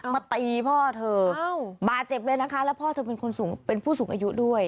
มาตีพ่อเธอบาดเจ็บเลยนะคะแล้วพ่อเธอเป็นคนสูงเป็นผู้สูงอายุด้วย